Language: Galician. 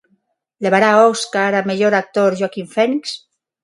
Levará Óscar a Mellor actor Joaquin Phoenix?